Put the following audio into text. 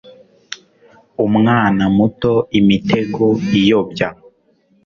umwana muto, imitego iyobya